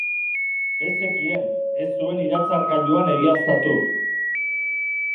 Ez zekien, ez zuen iratzargailuan egiaztatu.